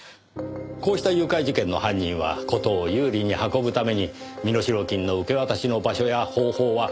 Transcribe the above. こうした誘拐事件の犯人は事を有利に運ぶために身代金の受け渡しの場所や方法は直前に指定するものです。